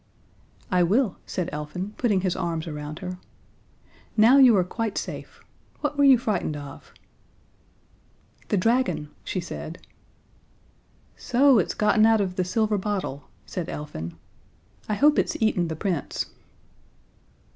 "I will," said Elfin, putting his arms around her. "Now you are quite safe. What were you frightened of?" "The dragon," she said. "So it's gotten out of the silver bottle," said Elfin. "I hope it's eaten the Prince."